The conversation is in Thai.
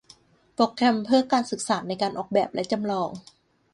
โปรแกรมเพื่อการศึกษาในการออกแบบและจำลอง